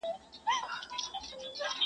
پوليس کور ته راځي او پلټنه پيلوي ژر,